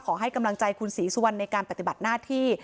ขอให้กำลังใจคุณศรีสุวรรณในการปฏิบัติหน้าที่